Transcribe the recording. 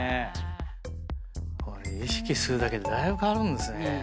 意識するだけでだいぶ変わるんですね。